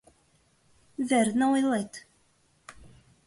— Верне ойлет...